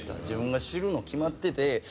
自分が死ぬの決まってて。